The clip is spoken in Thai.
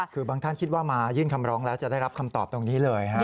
คือบางท่านคิดว่ามายื่นคำร้องแล้วจะได้รับคำตอบตรงนี้เลยฮะ